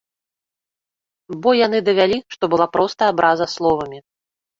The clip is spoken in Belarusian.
Бо яны давялі, што была проста абраза словамі.